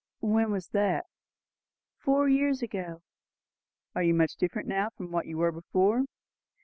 "When was that?" "Four years ago." "Are you much different now from what you were before?"